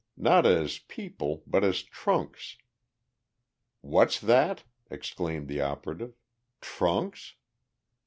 Not as people, but as trunks." "What's that?" exclaimed the operative. "Trunks?"